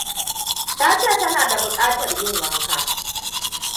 Ta ce tana da bukatar yin wanka.